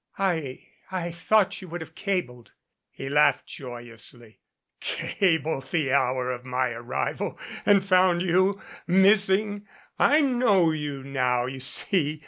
"I I thought you would have cabled " He laughed joyously. "Cabled the hour of my arrival, and found you missing! I know you now, you see.